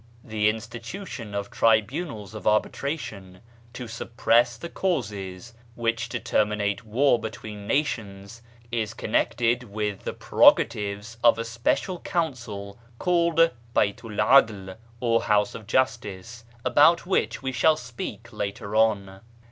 The institution of tribunals of arbitra tion to suppress the causes which deter minate war between nations, is con nected with the prerogatives of a special Council called Baitu'l 'AdI, or House of Justice, about which we shall speak later on.